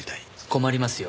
困りますよ